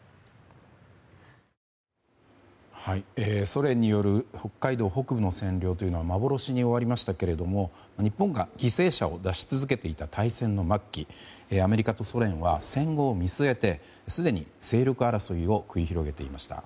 ソ連による北海道北部の占領というのは幻に終わりましたが日本が犠牲者を出し続けていた大戦の末期アメリカとソ連は戦後を見据えてすでに勢力争いを繰り広げていました。